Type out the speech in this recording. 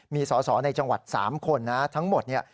มีสอสอในจังหวัด๓คนนะทั้งหมดเนี่ย